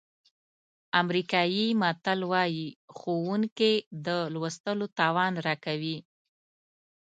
امریکایي متل وایي ښوونکي د لوستلو توان راکوي.